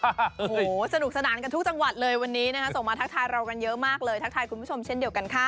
โอ้โหสนุกสนานกันทุกจังหวัดเลยวันนี้นะคะส่งมาทักทายเรากันเยอะมากเลยทักทายคุณผู้ชมเช่นเดียวกันค่ะ